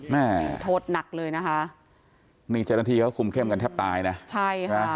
แม่โทษหนักเลยนะคะนี่เจ้าหน้าที่เขาคุมเข้มกันแทบตายนะใช่ค่ะ